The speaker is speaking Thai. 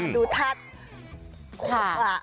ดูธาตุขวา